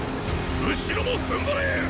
後ろも踏ん張れっ！